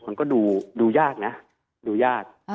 มันก็ดูยากนะดูยาก